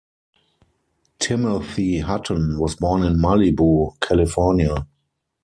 Timothy Hutton was born in Malibu, California.